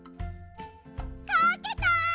かけた！